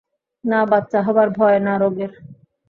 না বাচ্চা হবার ভয়, না রোগের।